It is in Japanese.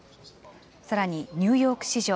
さらにニューヨーク市場。